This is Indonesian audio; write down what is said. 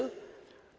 bis yang lebih kecil